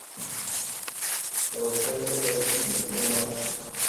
Ɔsɛɛ vi lɛ tit misomba.